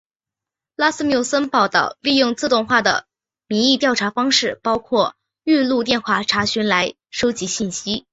拉斯穆森报导利用自动化的民意调查方式包括预录电话查询来收集信息。